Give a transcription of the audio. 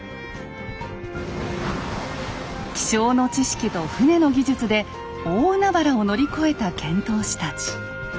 気象の知識と船の技術で大海原を乗り越えた遣唐使たち。